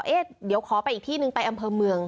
เอ๊ะเดี๋ยวขอไปอีกที่นึงไปอำเภอเมือง